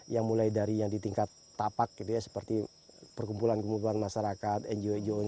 yang mulai dari yang di tingkat tapak gitu ya seperti perkumpulan kumpulan masyarakat ngo ngo